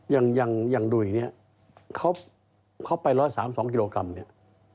อย่างดูอย่างนี้เขาไปร้อย๓๒กิโลกรัมเนี่ย